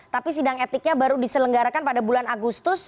tapi sidang etiknya baru diselenggarakan pada bulan agustus